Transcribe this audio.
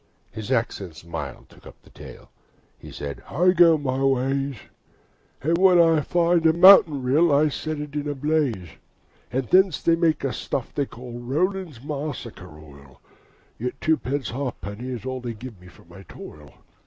is accents mild took up the tale: He said 'I go my ways, And when I find a mountain rill, I set it in a blaze; And thence they make a stuff they call Rowland's Macassar Oil Yet twopence halfpenny is all They give me for my toil.'